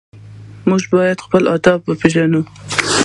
موږ باید خپل ادب وپېژنو.